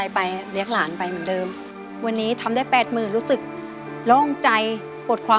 ยายเรียกผมว่าพี่ออโต้